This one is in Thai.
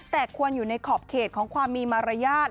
แต่ควรอยู่ในขอบเขตของความมีมารยาท